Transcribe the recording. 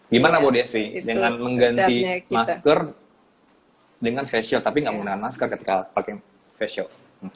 gimana bu desi dengan mengganti masker dengan facial tapi gak menggunakan masker ketika pakai facial